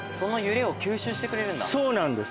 そうなんです。